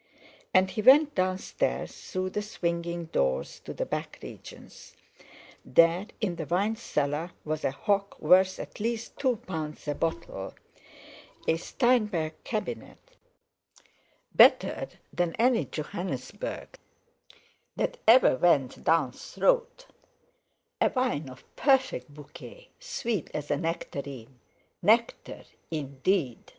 And he went downstairs, through the swinging doors, to the back regions. There, in the wine cellar, was a hock worth at least two pounds a bottle, a Steinberg Cabinet, better than any Johannisberg that ever went down throat; a wine of perfect bouquet, sweet as a nectarine—nectar indeed!